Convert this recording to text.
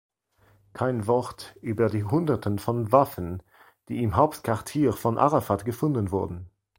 Kein Wort über die Hunderten von Waffen, die im Hauptquartier von Arafat gefunden wurden.